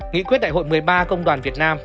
nghị quyết đại hội một mươi ba công đoàn việt nam